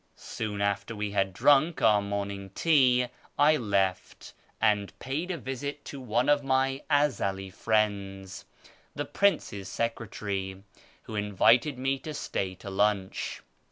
— Soon after we had drunk our morning tea I left, and paid a visit to one of my Ezeli friends, the prince's secretary, who invited me to stay to lunch.